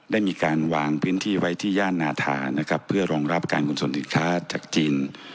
ได้มีการวางพื้นที่ไว้ที่ย่านนาธานะครับเพื่อรองรับการกุศลสินค้าจากจีน